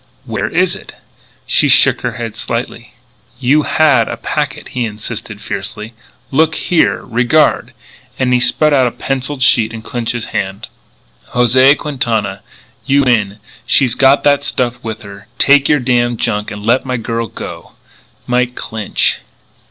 "Where is it?" She shook her head slightly. "You had a packet," he insisted fiercely. "Look here! Regard!" and he spread out a penciled sheet in Clinch's hand: "José Quintana: "You win. She's got that stuff with her. Take your damn junk and let my girl go. "MIKE CLINCH."